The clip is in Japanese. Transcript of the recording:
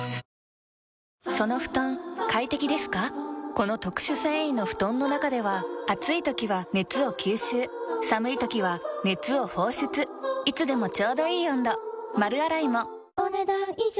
この特殊繊維の布団の中では暑い時は熱を吸収寒い時は熱を放出いつでもちょうどいい温度丸洗いもお、ねだん以上。